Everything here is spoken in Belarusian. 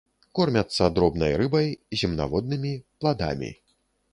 Кормяцца дробнай рыбай, земнаводнымі, пладамі.